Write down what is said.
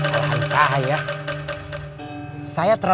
hai kalau akan percaya sama saya itu udah